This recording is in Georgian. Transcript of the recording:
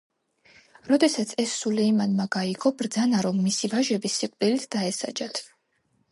როდესაც ეს სულეიმანმა გაიგო, ბრძანა, რომ მისი ვაჟები სიკვდილით დაესაჯათ.